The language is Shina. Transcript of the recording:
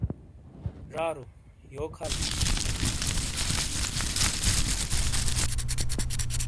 ڙارو۔ یوک حال ہی؟